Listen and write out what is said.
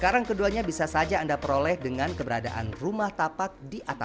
rumah tapak biasanya jauh dari pusat kota